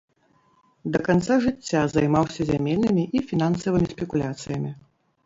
Да канца жыцця займаўся зямельнымі і фінансавымі спекуляцыямі.